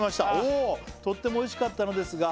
お「とってもおいしかったのですが」